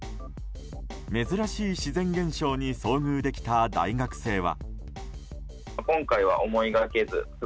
珍しい自然現象に遭遇できた大学生は。